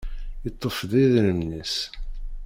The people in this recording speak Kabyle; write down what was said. Yeṭṭef-d idrimen-is.